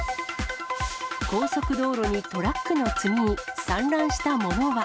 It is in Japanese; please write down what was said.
高速道路にトラックの積み荷、散乱したものは？